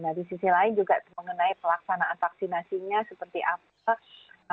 nah di sisi lain juga mengenai pelaksanaan vaksinasinya seperti apa